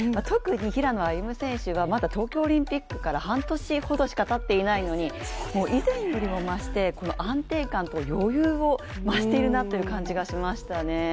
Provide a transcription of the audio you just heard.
特に平野歩夢選手は東京オリンピックからまだ半年ほどしかたってないのに以前よりも安定感と余裕を増しているなという感じがしましたね。